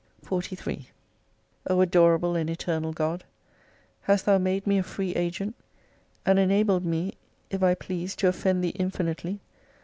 266 43 O Adorable and Eternal God ! Hast Thou made me a free agent ! And enabled me if I please to offend Thee infinitely